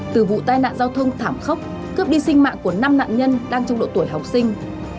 từ vụ tai nạn giao thông thảm khốc cướp đi sinh mạng của năm nạn nhân đang trong độ tuổi học sinh